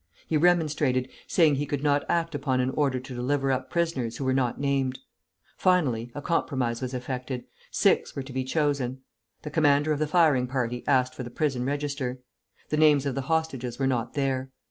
He remonstrated, saying he could not act upon an order to deliver up prisoners who were not named. Finally, a compromise was effected; six were to be chosen. The commander of the firing party asked for the prison register. The names of the hostages were not there.